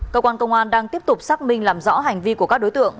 cơ quan công an đang tiếp tục xác minh làm rõ hành vi của các đối tượng